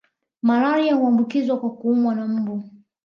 Malaria huambukizwa kwa kuumwa na mbu